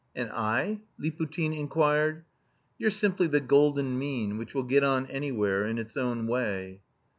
"And I?" Liputin inquired. "You're simply the golden mean which will get on anywhere in its own way."